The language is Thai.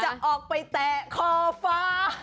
จะออกไปแตะคอฟ้า